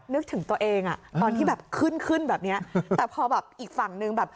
นึกถึงตัวเองตอนที่ขึ้นแบบนี้แต่พออีกฝั่งหนึ่ง